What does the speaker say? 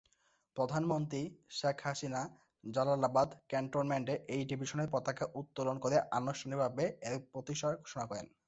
প্রধানমন্ত্রী শেখ হাসিনা জালালাবাদ ক্যান্টনমেন্টে এই ডিভিশনের পতাকা উত্তোলন করে আনুষ্ঠানিকভাবে এর প্রতিষ্ঠা ঘোষণা করেন।